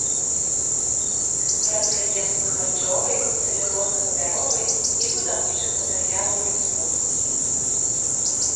Прадпрыемствы харчовай, цэлюлозна-папяровай і будаўнічых матэрыялаў прамысловасці.